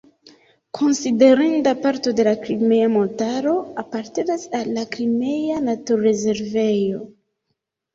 Konsiderinda parto de la Krimea Montaro apartenas al la Krimea naturrezervejo.